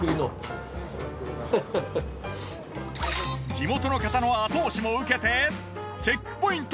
地元の方の後押しも受けてチェックポイント